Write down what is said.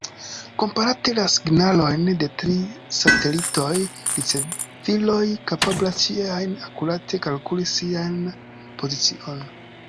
Komparante la signalojn de tri satelitoj, riceviloj kapablas ĉie ajn akurate kalkuli sian pozicion.